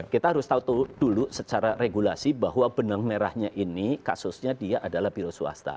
kita harus tahu dulu secara regulasi bahwa benang merahnya ini kasusnya dia adalah biro swasta